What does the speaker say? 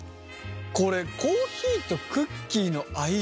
これコーヒーとクッキーの相性。